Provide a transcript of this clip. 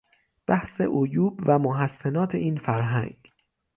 بحث عیوب و محسنات این فرهنگ